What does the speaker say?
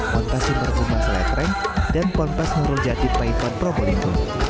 pondok sumber kumbang seletreng dan pondok nurul jadid paituan provolinggo